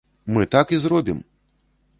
Мы так і зробім!